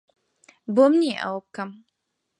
بۆم نییە ئەوە بکەم.